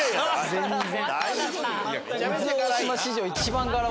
全然。